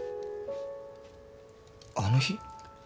あの日？